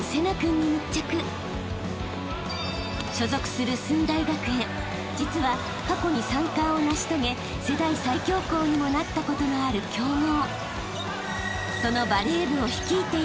［所属する駿台学園実は過去に３冠を成し遂げ世代最強校にもなったことのある強豪］